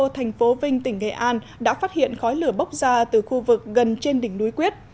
thành phố vinh tỉnh nghệ an đã phát hiện khói lửa bốc ra từ khu vực gần trên đỉnh núi quyết